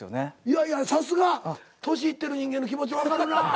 いやいやさすが年いってる人間の気持ちわかるなぁ。